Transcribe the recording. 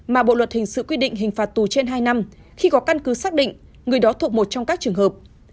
mà bộ luật hình sự quy định hình phạt tù trên hai năm khi có căn cứ xác định người đó thuộc một trong các trường hợp